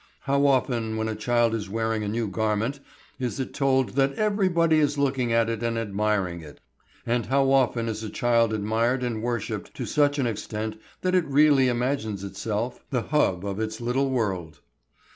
How often when a child is wearing a new garment is it told that everybody is looking at it and admiring it! And how often is a child admired and worshipped to such an extent that it really imagines itself the hub of its little world!